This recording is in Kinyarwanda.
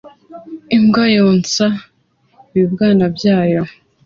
Imbwa yonsa ibibwana byayo